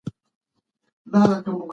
ځينې خلګ ډېر قدرت لري.